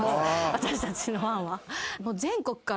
私たちのファンは。